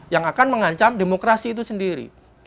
yang akan mengancam demokrasi itu sendiri